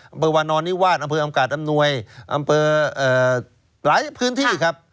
อำเภอวานอนนิวาสอำเภออำกาศอำนวยอำเภอหลายพื้นที่ครับ